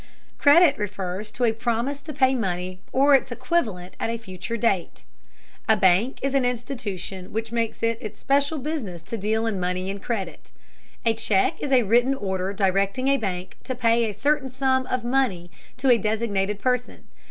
Credit refers to a promise to pay money or its equivalent at a future date. A bank is an institution which makes it its special business to deal in money and credit. A check is a written order directing a bank to pay a certain sum of money to a designated person.